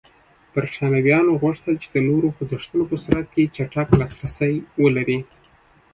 برېټانویانو غوښتل چې د نورو خوځښتونو په صورت کې چټک لاسرسی ولري.